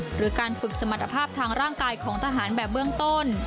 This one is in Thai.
หรือการฝึกสมรรถภาพทางร่างกายของทหารแบบเบื้องต้น